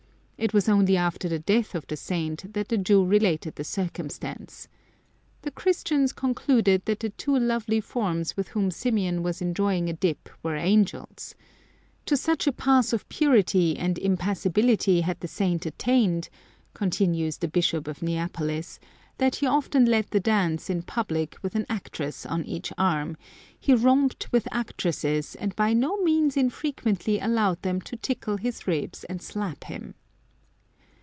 It was only after the death of the saint that the Jew related the circumstance. The Christians concluded that the two lovely forms with whom Symeon was enjoying a dip were angels. " To such a pass of purity and impassibility had the Curiosities of Olden Times saint attained," continues the Bishop of Neapolis, " that he often led the dance in public with an actress on each arm ; he romped with actresses, and by no means infrequently allowed them to tickle his ribs and slap him."